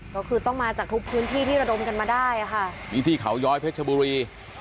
ก็คือต้องมาจากทุกพื้นที่ที่ระดมกันมาได้อ่ะค่ะนี่ที่เขาย้อยเพชรบุรี